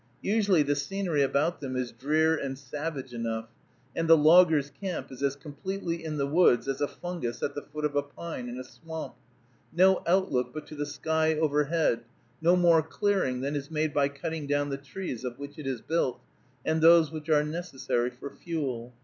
Usually the scenery about them is drear and savage enough; and the loggers' camp is as completely in the woods as a fungus at the foot of a pine in a swamp; no outlook but to the sky overhead; no more clearing than is made by cutting down the trees of which it is built, and those which are necessary for fuel.